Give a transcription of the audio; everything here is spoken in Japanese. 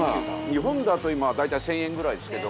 日本だと今大体１０００円ぐらいですけど。